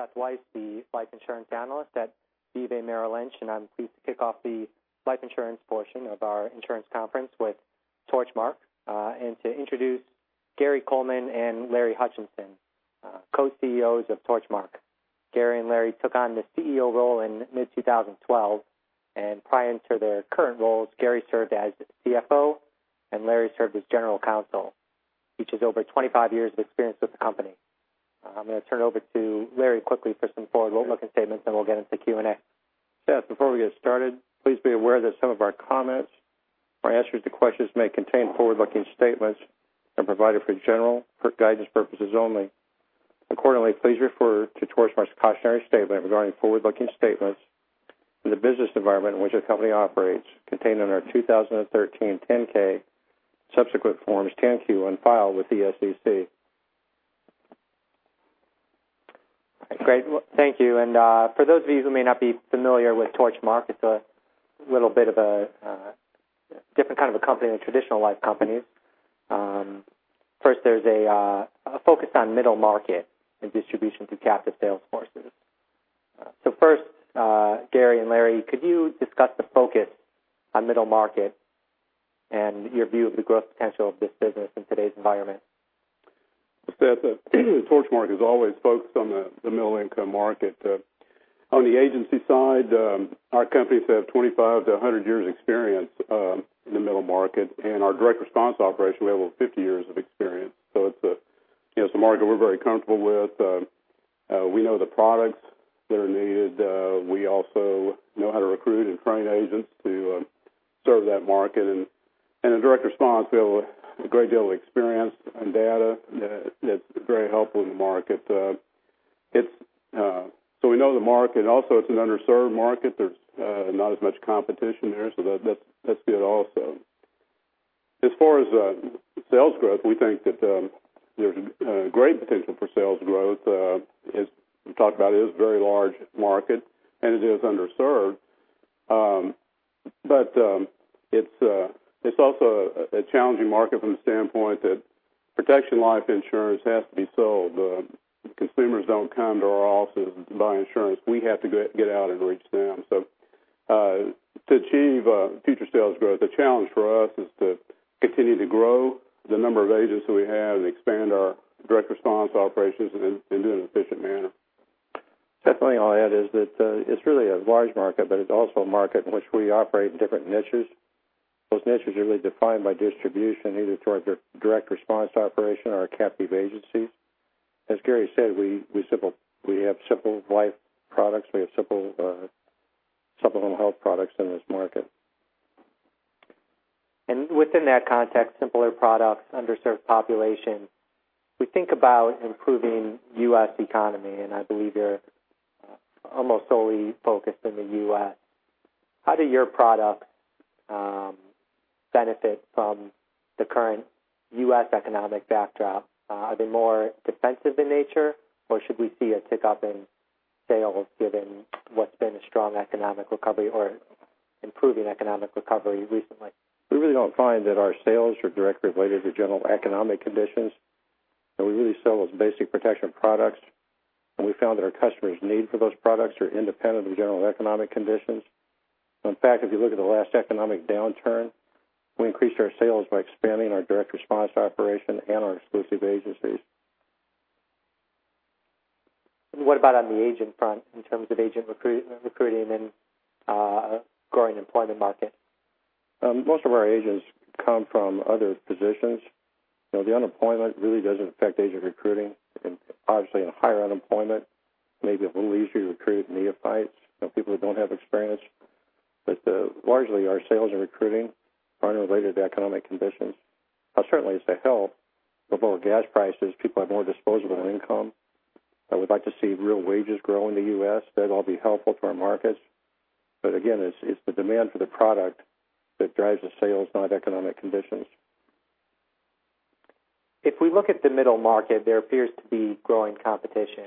I'm Seth Weiss, the life insurance analyst at B. of A. Merrill Lynch. I'm pleased to kick off the life insurance portion of our insurance conference with Torchmark, and to introduce Gary Coleman and Larry Hutchison, Co-CEOs of Torchmark. Gary and Larry took on the CEO role in mid-2012. Prior to their current roles, Gary served as CFO and Larry served as general counsel, each with over 25 years of experience with the company. I'm going to turn it over to Larry quickly for some forward-looking statements. We'll get into Q&A. Seth, before we get started, please be aware that some of our comments or answers to questions may contain forward-looking statements and provided for general guidance purposes only. Accordingly, please refer to Torchmark's cautionary statement regarding forward-looking statements in the business environment in which the company operates, contained in our 2013 10-K, subsequent forms 10-Q on file with the SEC. Great. Thank you. For those of you who may not be familiar with Torchmark, it's a little bit of a different kind of a company than traditional life companies. First, there's a focus on middle market and distribution through captive sales forces. First, Gary and Larry, could you discuss the focus on middle market and your view of the growth potential of this business in today's environment? Seth, Torchmark has always focused on the middle-income market. On the agency side, our companies have 25 to 100 years experience in the middle market. Our direct response operation, we have over 50 years of experience. It's a market we're very comfortable with. We know the products that are needed. We also know how to recruit and train agents to serve that market. In direct response, we have a great deal of experience and data that's very helpful in the market. We know the market, and also it's an underserved market. There's not as much competition there, so that's good also. As far as sales growth, we think that there's great potential for sales growth. As we talked about, it is a very large market and it is underserved. It's also a challenging market from the standpoint that protection life insurance has to be sold. Consumers don't come to our offices to buy insurance. We have to get out and reach them. To achieve future sales growth, the challenge for us is to continue to grow the number of agents that we have and expand our direct response operations and do it in an efficient manner. Seth, I think I'll add is that it's really a large market, but it's also a market in which we operate in different niches. Those niches are really defined by distribution, either towards our direct response operation or our captive agencies. As Gary said, we have simple life products. We have simple supplemental health products in this market. Within that context, simpler products, underserved population, we think about improving U.S. economy, and I believe you're almost solely focused in the U.S. How do your products benefit from the current U.S. economic backdrop? Are they more defensive in nature, or should we see a tick-up in sales given what's been a strong economic recovery or improving economic recovery recently? We really don't find that our sales are directly related to general economic conditions. We really sell those basic protection products, and we found that our customers' need for those products are independent of general economic conditions. In fact, if you look at the last economic downturn, we increased our sales by expanding our direct response operation and our exclusive agencies. What about on the agent front in terms of agent recruiting and a growing employment market? Most of our agents come from other positions. The unemployment really doesn't affect agent recruiting. Obviously, in higher unemployment, may be a little easier to recruit neophytes, people who don't have experience. Largely, our sales and recruiting aren't related to economic conditions. Certainly it's a help with lower gas prices. People have more disposable income. I would like to see real wages grow in the U.S. That'll be helpful to our markets. Again, it's the demand for the product that drives the sales, not economic conditions. If we look at the middle market, there appears to be growing competition.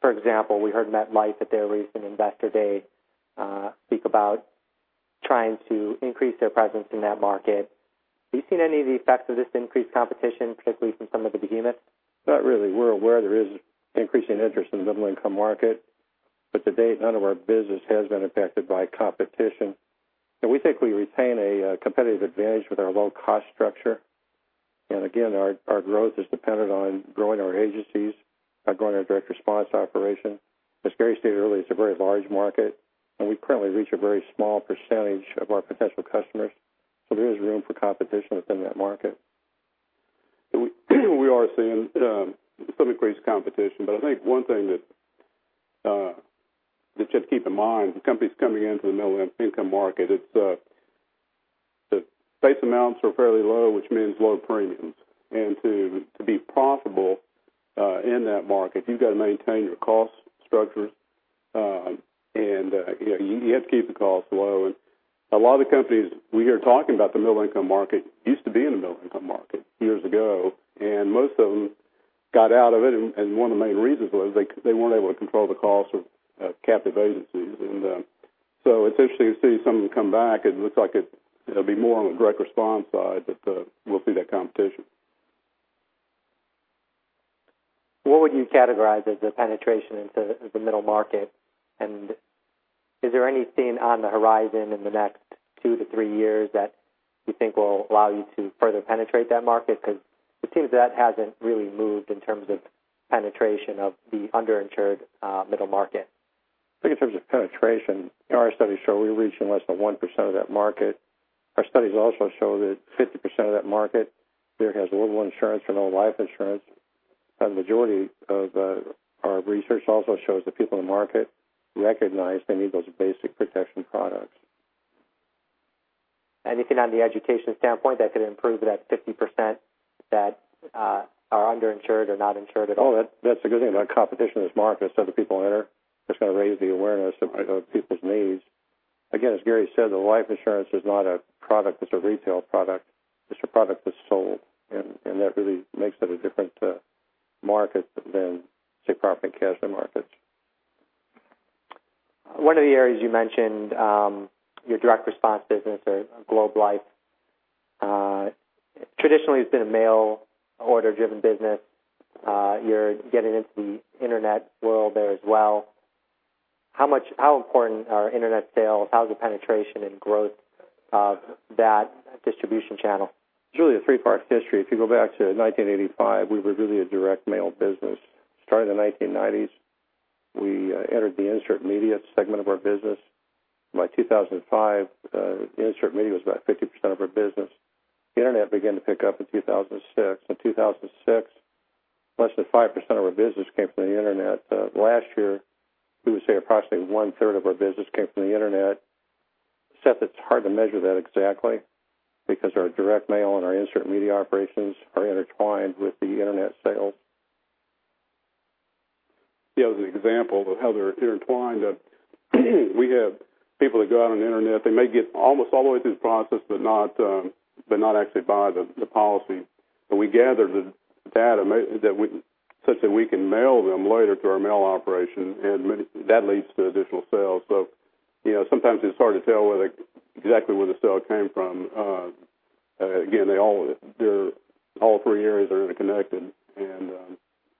For example, we heard MetLife at their recent Investor Day speak about trying to increase their presence in that market. Have you seen any of the effects of this increased competition, particularly from some of the behemoths? Not really. We're aware there is increasing interest in the middle-income market, but to date, none of our business has been affected by competition. We think we retain a competitive advantage with our low cost structure. Again, our growth is dependent on growing our agencies, growing our direct response operation. As Gary stated earlier, it's a very large market, and we currently reach a very small percentage of our potential customers. There is room for competition within that market. We are seeing some increased competition, I think one thing that you have to keep in mind, the companies coming into the middle-income market, it's the base amounts are fairly low, which means low premiums. To be profitable in that market, you've got to maintain your cost structures, and you have to keep the costs low. A lot of the companies we hear talking about the middle-income market used to be in the middle-income market years ago, and most of them got out of it, and one of the main reasons was they weren't able to control the cost of captive agencies. It's interesting to see some of them come back. It looks like it'll be more on the direct response side, but we'll see that competition. What would you categorize as the penetration into the middle market? Is there anything on the horizon in the next two to three years that you think will allow you to further penetrate that market? Because it seems that hasn't really moved in terms of penetration of the under-insured middle market. I think in terms of penetration, our studies show we reach less than 1% of that market. Our studies also show that 50% of that market either has little insurance or no life insurance. The majority of our research also shows that people in the market recognize they need those basic protection products. Anything on the education standpoint that could improve that 50% that are under-insured or not insured at all? That's a good thing about competition in this market, is other people enter, it's going to raise the awareness of people's needs. As Gary said, the life insurance is not a product that's a retail product. It's a product that's sold, that really makes it a different market than, say, car and casualty markets. One of the areas you mentioned, your direct response business or Globe Life, traditionally has been a mail order driven business. You're getting into the internet world there as well. How important are internet sales? How's the penetration and growth of that distribution channel? It's really a three-part history. If you go back to 1985, we were really a direct mail business. Start of the 1990s, we entered the insert media segment of our business. By 2005, insert media was about 50% of our business. The internet began to pick up in 2006. In 2006, less than 5% of our business came from the internet. Last year, we would say approximately one-third of our business came from the internet. Seth, it's hard to measure that exactly because our direct mail and our insert media operations are intertwined with the internet sales. As an example of how they're intertwined, we have people that go out on the internet. They may get almost all the way through the process but not actually buy the policy. We gather the data such that we can mail them later through our mail operation, that leads to additional sales. Sometimes it's hard to tell exactly where the sale came from. All three areas are interconnected,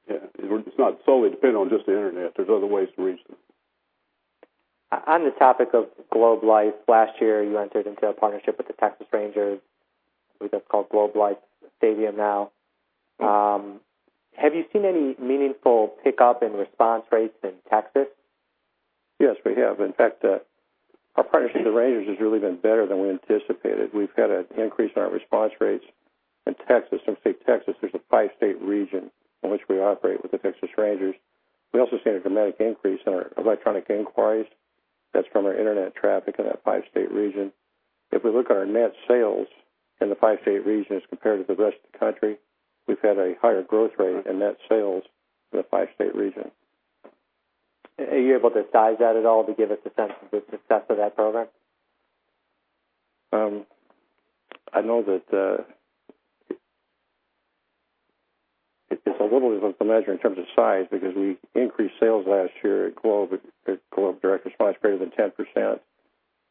it's not solely dependent on just the internet. There's other ways to reach them. On the topic of Globe Life, last year you entered into a partnership with the Texas Rangers. I believe that's called Globe Life Stadium now. Have you seen any meaningful pickup in response rates in Texas? Yes, we have. In fact, our partnership with the Rangers has really been better than we anticipated. We've had an increase in our response rates in Texas. When we say Texas, there's a five-state region in which we operate with the Texas Rangers. We also seen a dramatic increase in our electronic inquiries. That's from our internet traffic in that five-state region. If we look at our net sales in the five-state region as compared to the rest of the country, we've had a higher growth rate in net sales in the five-state region. Are you able to size that at all to give us a sense of the success of that program? I know that it's a little difficult to measure in terms of size because we increased sales last year at Globe direct response greater than 10%. Part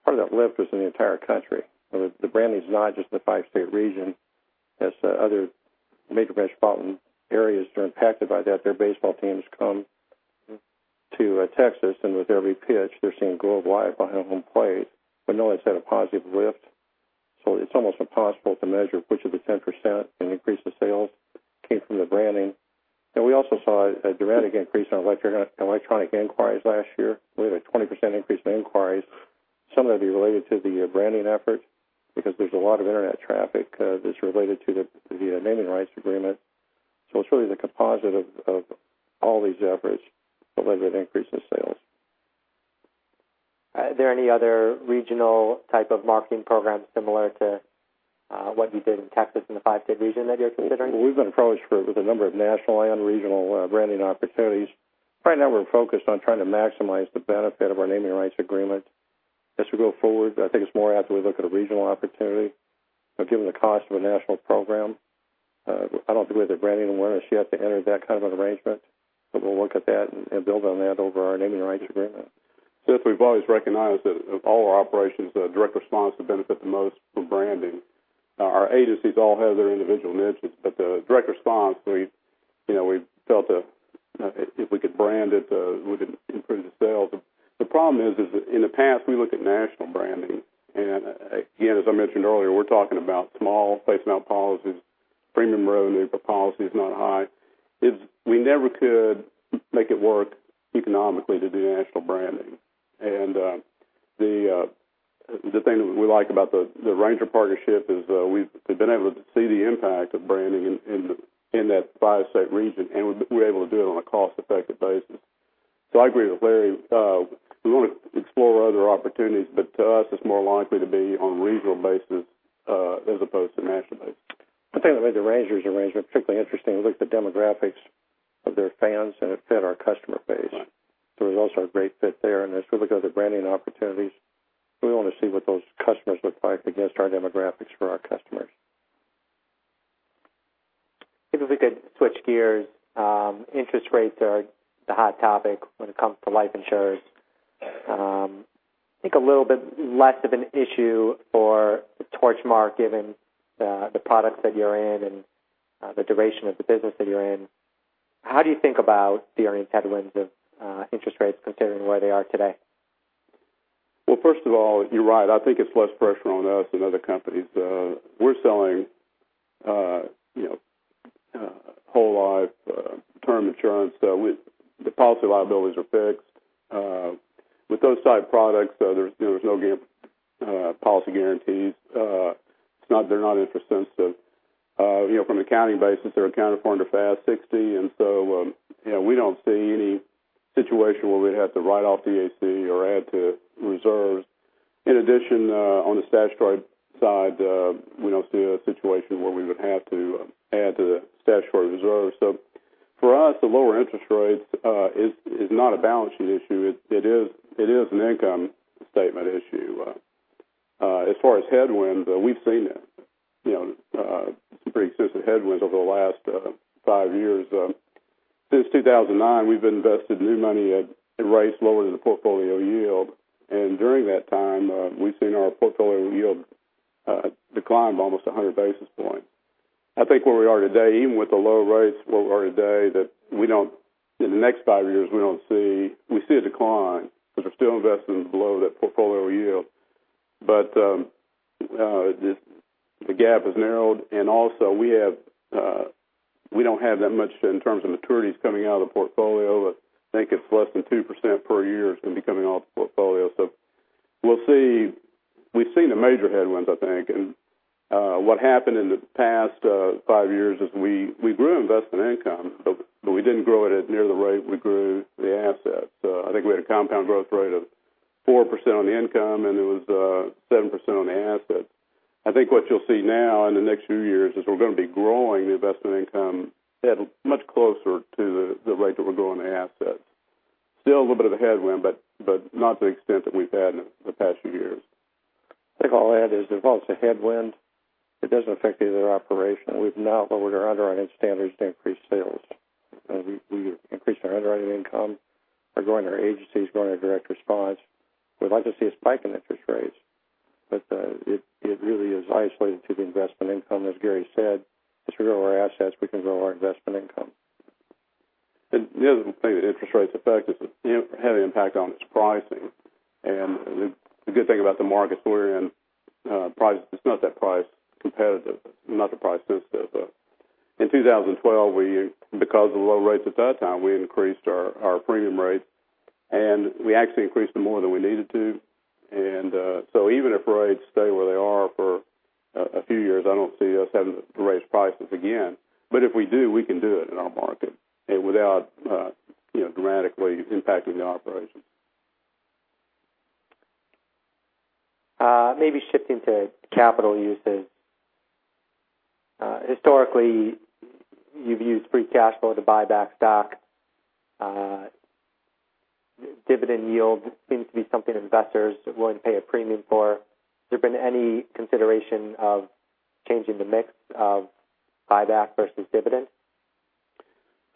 of that lift was in the entire country. The brand is not just in the five-state region as other major metropolitan areas are impacted by that. Their baseball teams come to Texas, and with every pitch, they're seeing Globe Life behind home plate. No, it's had a positive lift, so it's almost impossible to measure which of the 10% in increase of sales came from the branding. We also saw a dramatic increase in electronic inquiries last year. We had a 20% increase in inquiries, some of it related to the branding effort because there's a lot of internet traffic that's related to the naming rights agreement. It's really the composite of all these efforts related to increase in sales. Are there any other regional type of marketing programs similar to what you did in Texas in the five-state region that you're considering? We've been approached with a number of national and regional branding opportunities. Right now, we're focused on trying to maximize the benefit of our naming rights agreement. As we go forward, I think it's more apt that we look at a regional opportunity. Given the cost of a national program, I don't think we have the branding and awareness yet to enter that kind of an arrangement. We'll look at that and build on that over our naming rights agreement. Seth, we've always recognized that of all our operations, direct response would benefit the most from branding. Our agencies all have their individual niches, but the direct response, we felt if we could brand it, we could improve the sales. The problem is that in the past, we looked at national branding, and again, as I mentioned earlier, we're talking about small face amount policies. Premium revenue per policy is not high. We never could make it work economically to do national branding. The thing that we like about the Rangers partnership is we've been able to see the impact of branding in that five-state region, and we're able to do it on a cost-effective basis. I agree with Larry. We want to explore other opportunities, but to us, it's more likely to be on a regional basis as opposed to national basis. The thing that made the Rangers arrangement particularly interesting, we looked at the demographics of their fans, and it fit our customer base. Right. It was also a great fit there. As we look at other branding opportunities, we want to see what those customers look like against our demographics for our customers. If we could switch gears. Interest rates are the hot topic when it comes to life insurers. I think a little bit less of an issue for Torchmark, given the products that you're in and the duration of the business that you're in. How do you think about the earnings headwinds of interest rates considering where they are today? First of all, you're right. I think it's less pressure on us than other companies. We're selling whole life term insurance. The policy liabilities are fixed. With those type products, there's no policy guarantees. They're not interest sensitive. From an accounting basis, they're accounted for under FAS 60, we don't see any situation where we'd have to write off the AC or add to reserves. In addition, on the statutory side, we don't see a situation where we would have to add to the statutory reserve. For us, the lower interest rates is not a balance sheet issue. It is an income statement issue. As far as headwinds, we've seen it, some pretty extensive headwinds over the last 5 years. Since 2009, we've invested new money at rates lower than the portfolio yield, and during that time, we've seen our portfolio yield decline by almost 100 basis points. I think where we are today, even with the low rates where we are today, that in the next 5 years, we see a decline, because we're still investing below that portfolio yield. The gap has narrowed and also we don't have that much in terms of maturities coming out of the portfolio. I think it's less than 2% per year is going to be coming off the portfolio. We've seen the major headwinds, I think, and what happened in the past 5 years is we grew investment income, but we didn't grow it at near the rate we grew the assets. I think we had a compound growth rate of 4% on the income, and it was 7% on the assets. I think what you'll see now in the next few years is we're going to be growing the investment income at much closer to the rate that we're growing the assets. Still a little bit of a headwind, but not to the extent that we've had in the past few years. I think I'll add is, if all it's a headwind, it doesn't affect either operation. We've not lowered our underwriting standards to increase sales. We increased our underwriting income by growing our agencies, growing our direct response. We'd like to see a spike in interest rates, but it really is isolated to the investment income. As Gary said, as we grow our assets, we can grow our investment income. The other thing that interest rates affect is the heavy impact on its pricing. The good thing about the markets we're in, it's not that price competitive, not the price sensitive. In 2012, because of the low rates at that time, we increased our premium rates, and we actually increased them more than we needed to. So even if rates stay where they are for a few years, I don't see us having to raise prices again. If we do, we can do it in our market without dramatically impacting the operations. Maybe shifting to capital uses. Historically, you've used free cash flow to buy back stock. Dividend yield seems to be something investors are willing to pay a premium for. Has there been any consideration of changing the mix of buyback versus dividend?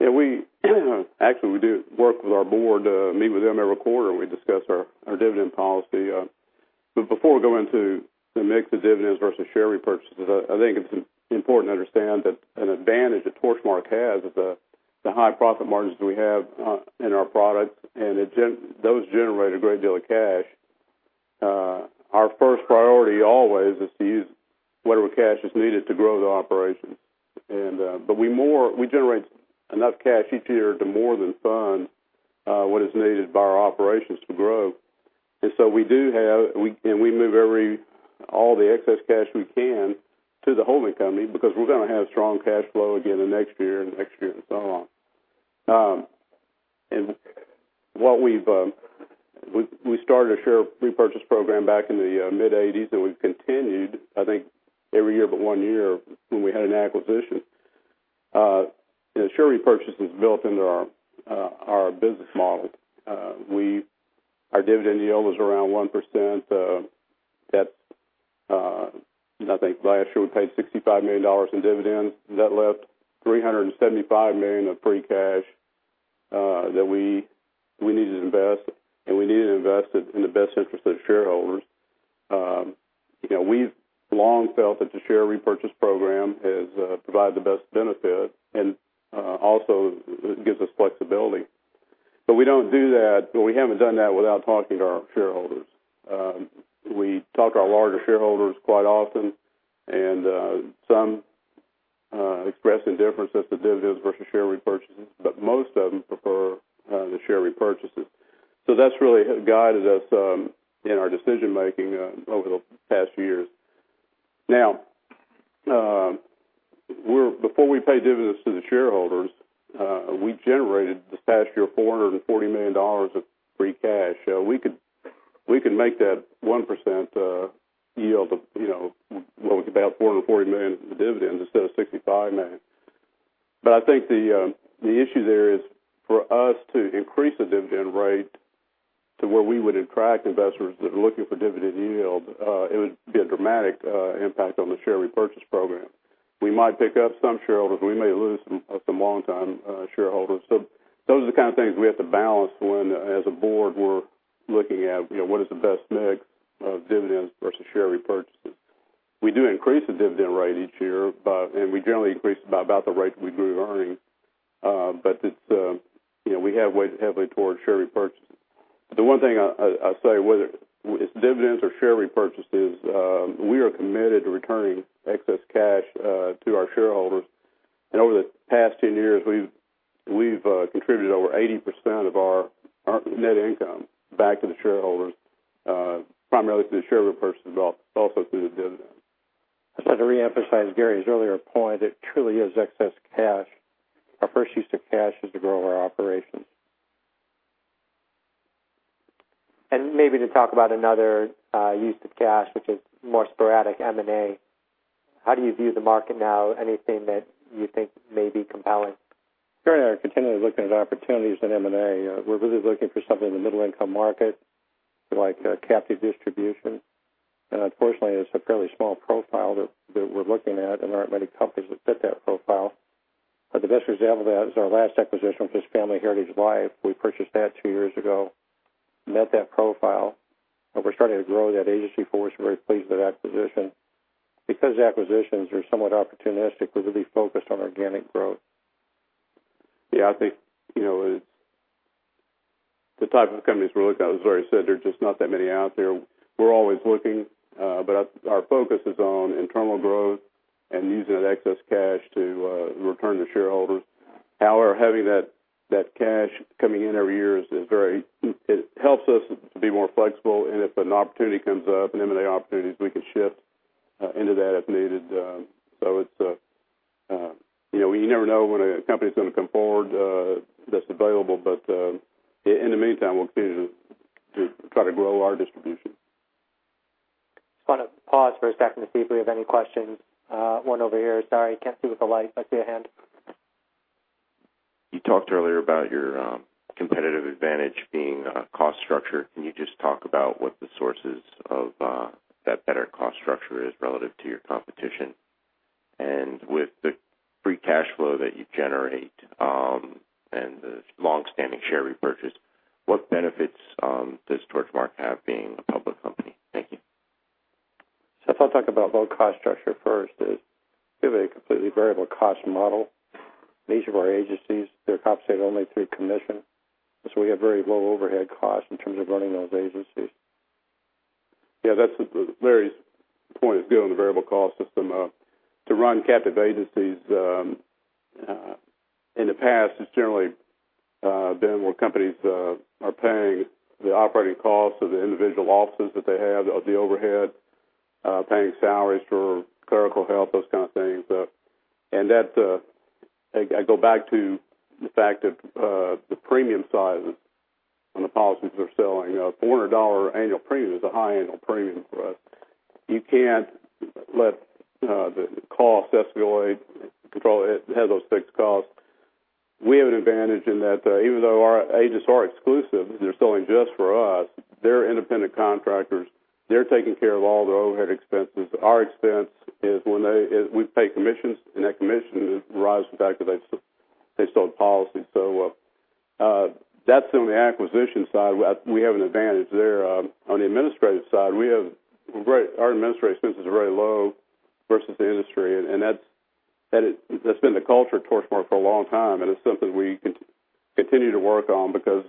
Yeah. Actually, we do work with our board, meet with them every quarter, and we discuss our dividend policy. Before we go into the mix of dividends versus share repurchases, I think it's important to understand that an advantage that Torchmark has is the high profit margins we have in our products, and those generate a great deal of cash. Our first priority always is to use whatever cash is needed to grow the operation. We generate enough cash each year to more than fund what is needed by our operations to grow. We move all the excess cash we can to the holding company, because we're going to have strong cash flow again the next year and the next year and so on. We started a share repurchase program back in the mid-'80s, we've continued, I think, every year but one year when we had an acquisition. Share repurchase is built into our business model. Our dividend yield was around 1%. I think last year we paid $65 million in dividends. That left $375 million of free cash that we needed to invest, and we needed to invest it in the best interest of the shareholders. We've long felt that the share repurchase program has provided the best benefit and also gives us flexibility. We haven't done that without talking to our shareholders. We talk to our larger shareholders quite often, and some express indifference as to dividends versus share repurchases, but most of them prefer the share repurchases. That's really guided us in our decision-making over the past years. Before we pay dividends to the shareholders, we generated this past year $440 million of free cash. We could make that 1% yield of what was about $440 million in dividends instead of $65 million. I think the issue there is for us to increase the dividend rate to where we would attract investors that are looking for dividend yield, it would be a dramatic impact on the share repurchase program. We might pick up some shareholders, we may lose some longtime shareholders. Those are the kind of things we have to balance when, as a board, we're looking at what is the best mix of dividends versus share repurchases. We do increase the dividend rate each year, and we generally increase it by about the rate that we grew the earnings. We have weighted heavily towards share repurchases. The one thing I'll say, whether it's dividends or share repurchases, we are committed to returning excess cash to our shareholders. Over the past 10 years, we've contributed over 80% of our net income back to the shareholders, primarily through the share repurchase, but also through the dividends. I just want to reemphasize Gary's earlier point, it truly is excess cash. Our first use of cash is to grow our operations. Maybe to talk about another use of cash, which is more sporadic M&A. How do you view the market now? Anything that you think may be compelling? Gary and I are continually looking at opportunities in M&A. We're really looking for something in the middle-income market, like captive distribution. Unfortunately, it's a fairly small profile that we're looking at, and there aren't many companies that fit that profile. The best example of that is our last acquisition, which is Family Heritage Life. We purchased that two years ago, met that profile, and we're starting to grow that agency force. We're very pleased with that position. Because acquisitions are somewhat opportunistic, we're really focused on organic growth. Yeah, I think, the type of companies we're looking at, as Larry said, there are just not that many out there. We're always looking. Our focus is on internal growth and using that excess cash to return to shareholders. However, having that cash coming in every year, it helps us to be more flexible, and if an opportunity comes up, an M&A opportunity, we can shift into that if needed. You never know when a company's going to come forward that's available. In the meantime, we'll continue to try to grow our distribution. Just want to pause for a second to see if we have any questions. One over here. Sorry, can't see with the light, but I see a hand. You talked earlier about your competitive advantage being cost structure. Can you just talk about what the sources of that better cost structure is relative to your competition? With the free cash flow that you generate, and the longstanding share repurchase, what benefits does Torchmark have being a public company? Thank you. If I'll talk about low cost structure first is we have a completely variable cost model. Each of our agencies, they're compensated only through commission. We have very low overhead costs in terms of running those agencies. Yeah, Larry's point is good on the variable cost system. To run captive agencies, in the past, it's generally been where companies are paying the operating costs of the individual offices that they have or the overhead, paying salaries for clerical help, those kind of things. I go back to the fact that the premium sizes on the policies they're selling, a $400 annual premium is a high annual premium for us. You can't let the cost escalate, control it, have those fixed costs. We have an advantage in that even though our agents are exclusive, they're selling just for us, they're independent contractors. They're taking care of all the overhead expenses. Our expense is we pay commissions, and that commission arises from the fact that they sold policies. That's on the acquisition side. We have an advantage there. On the administrative side, our administrative expenses are very low versus the industry. That's been the culture at Torchmark for a long time, and it's something we continue to work on because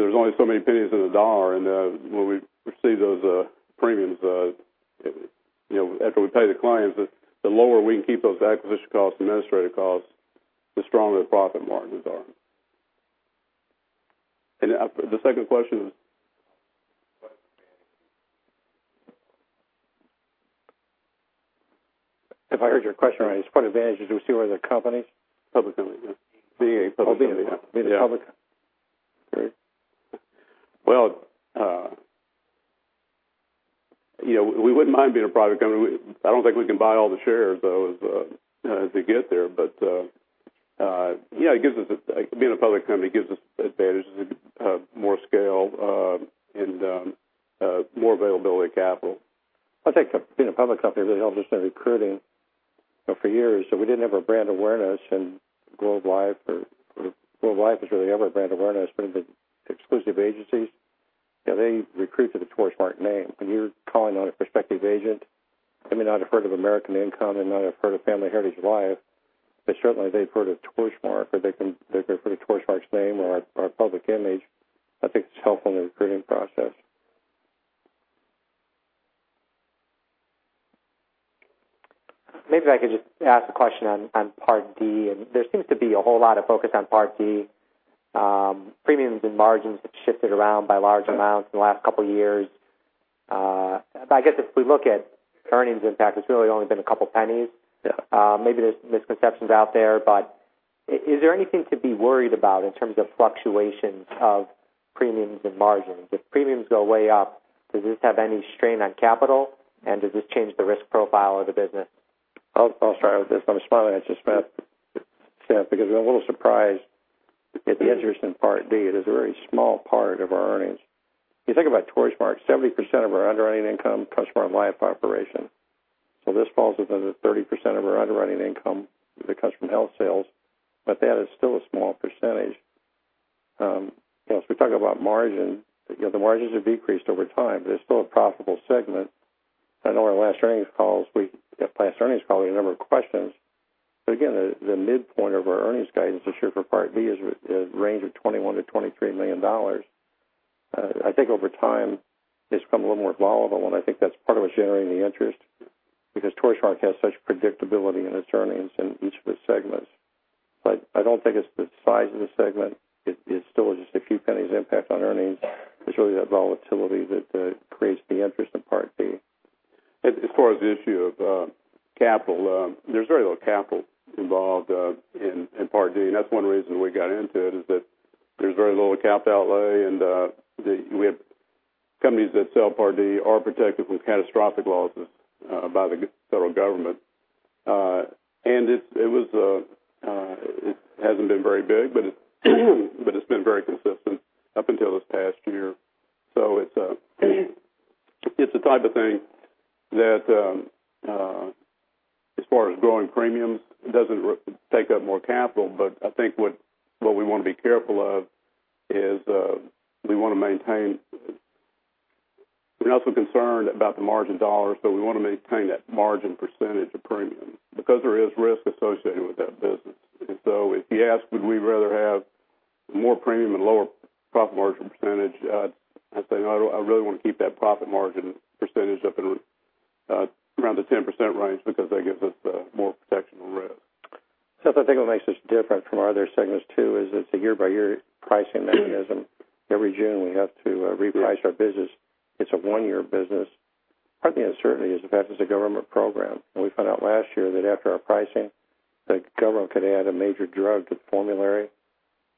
there's only so many pennies in the dollar. When we receive those premiums, after we pay the clients, the lower we can keep those acquisition costs and administrative costs, the stronger the profit margins are. The second question is? What advantage? If I heard your question right, what advantage do we see we're the company? Public company, yeah. Being a public company. Oh, being a public. Yeah. Great. Well, we wouldn't mind being a private company. I don't think we can buy all the shares, though, as we get there. Yeah, being a public company gives us advantages of more scale and more availability of capital. I think being a public company really helps us in recruiting. For years, we didn't have a brand awareness in Globe Life, or Globe Life was really our brand awareness. In the exclusive agencies, they recruit to the Torchmark name. When you're calling on a prospective agent, they may not have heard of American Income, they may not have heard of Family Heritage Life, but certainly they've heard of Torchmark, or they've heard of Torchmark's name or our public image. I think it's helpful in the recruiting process. Maybe if I could just ask a question on Part D. There seems to be a whole lot of focus on Part D. Premiums and margins have shifted around by large amounts in the last couple of years. I guess if we look at earnings impact, it's really only been $0.02. Yeah. Maybe there's misconceptions out there, but is there anything to be worried about in terms of fluctuations of premiums and margins? If premiums go way up, does this have any strain on capital? Does this change the risk profile of the business? I'll start with this. I'm smiling at you, Seth, because we're a little surprised at the interest in Medicare Part D. It is a very small part of our earnings. You think about Torchmark, 70% of our underwriting income comes from our life operation. This falls within the 30% of our underwriting income that comes from health sales, but that is still a small percentage. As we talk about margin, the margins have decreased over time, but it's still a profitable segment. I know in our last earnings calls, we had a number of questions, but again, the midpoint of our earnings guidance this year for Medicare Part D is a range of $21 million-$23 million. I think over time, it's become a little more volatile, and I think that's part of what's generating the interest because Torchmark has such predictability in its earnings in each of its segments. I don't think it's the size of the segment. It's still just a few pennies impact on earnings. It's really that volatility that creates the interest in Medicare Part D. As far as the issue of capital, there's very little capital involved in Medicare Part D, and that's one reason we got into it, is that there's very little capital outlay, and we have companies that sell Medicare Part D are protected from catastrophic losses by the federal government. It hasn't been very big, but it's been very consistent up until this past year. It's a type of thing that, as far as growing premiums, it doesn't take up more capital, but I think what we want to be careful of is we want to maintain. We're also concerned about the margin dollars. We want to maintain that margin percentage of premium because there is risk associated with that business. If you ask would we rather have more premium and lower profit margin percentage, I'd say no, I really want to keep that profit margin percentage up around the 10% range because that gives us more protection on risk. Seth, I think what makes us different from our other segments too is it's a year-by-year pricing mechanism. Every June, we have to reprice our business. It's a one-year business. Part D uncertainty is the fact that it's a government program, and we found out last year that after our pricing, the government could add a major drug to the formulary.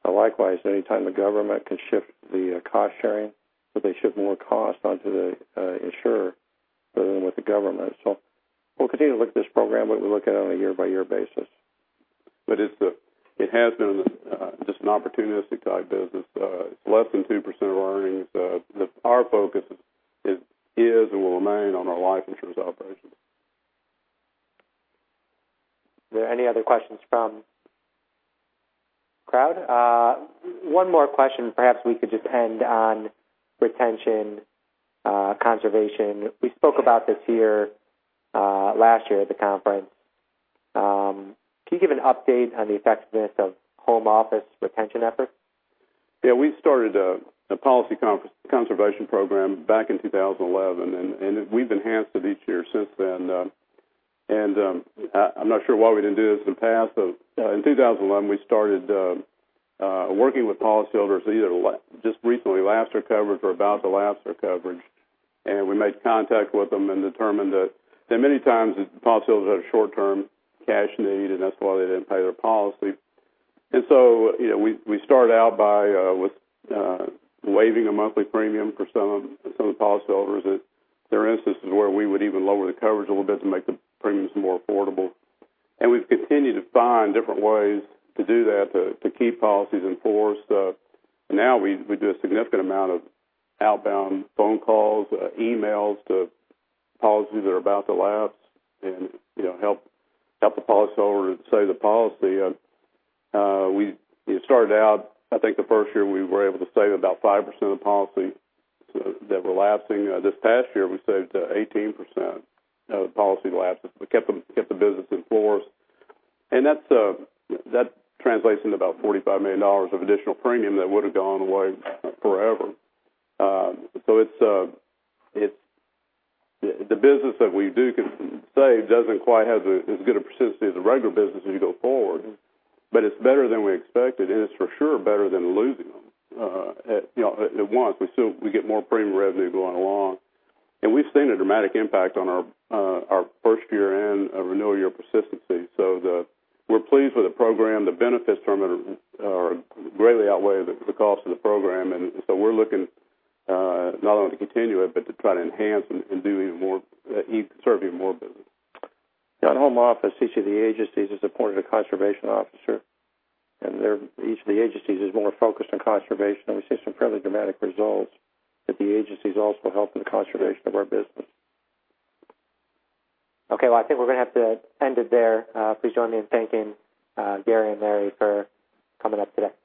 Likewise, anytime the government can shift the cost sharing, so they shift more cost onto the insurer rather than with the government. We'll continue to look at this program, but we look at it on a year-by-year basis. It has been just an opportunistic type business. It's less than 2% of our earnings. Our focus is, and will remain on our life insurance operations. Are there any other questions from crowd? One more question, perhaps we could just end on retention, conservation. We spoke about this here last year at the conference. Can you give an update on the effectiveness of home office retention efforts? Yeah. We started a policy conservation program back in 2011. We've enhanced it each year since then. I'm not sure why we didn't do this in the past. In 2011, we started working with policyholders who either just recently lapsed their coverage or about to lapse their coverage. We made contact with them and determined that many times the policyholders had a short-term cash need. That's why they didn't pay their policy. We started out by waiving a monthly premium for some of the policyholders that there are instances where we would even lower the coverage a little bit to make the premiums more affordable. We've continued to find different ways to do that, to keep policies in force. Now we do a significant amount of outbound phone calls, emails to policies that are about to lapse and help the policyholder save the policy. We started out, I think the first year, we were able to save about 5% of the policy that were lapsing. This past year, we saved 18% of the policy lapses. We kept the business in force. That translates into about $45 million of additional premium that would've gone away forever. The business that we do save doesn't quite have as good a persistency as the regular business as you go forward, but it's better than we expected. It's for sure better than losing them at once. We get more premium revenue going along. We've seen a dramatic impact on our first year and our renewal year persistency. We're pleased with the program. The benefits from it greatly outweigh the cost of the program. We're looking not only to continue it but to try to enhance and serve even more business. Down home office, each of the agencies has appointed a conservation officer. Each of the agencies is more focused on conservation. We've seen some fairly dramatic results that the agencies also help in the conservation of our business. Okay. Well, I think we're going to have to end it there. Please join me in thanking Gary and Larry for coming up today. Thank you. Thank you.